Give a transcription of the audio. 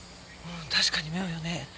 うん確かに妙よね。